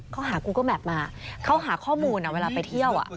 เขาหากูเกอร์แมพมาเขาหาข้อมูลเวลาไปเที่ยว